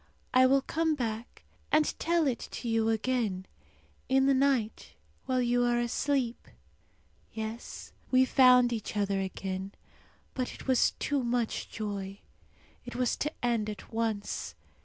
I will come back and tell it to you again, in the night while you are asleep. Yes, we found each other again; but it was too much joy. It was to end at once.